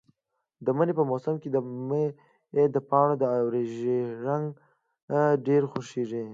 د مني په موسم کې مې د پاڼو دا ژېړ رنګ ډېر خوښیږي.